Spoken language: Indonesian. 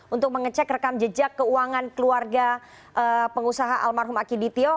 untuk mengecek rekam jejak keuangan keluarga pengusaha almarhum akidityo